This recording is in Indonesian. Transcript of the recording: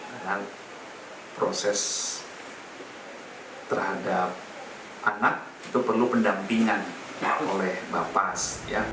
karena proses terhadap anak itu perlu pendampingan oleh bapas